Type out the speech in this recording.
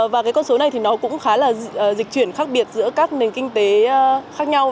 và cái con số này thì nó cũng khá là dịch chuyển khác biệt giữa các nền kinh tế khác nhau